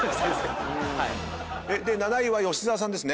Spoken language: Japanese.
７位は吉澤さんですね。